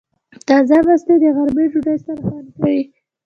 تازه مستې د غرمې ډوډۍ سره خوند کوي.